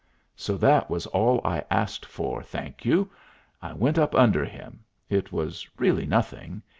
So that was all I asked for, thank you. I went up under him. It was really nothing.